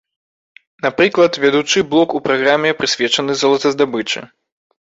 Напрыклад, вядучы блок у праграме прысвечаны золатаздабычы.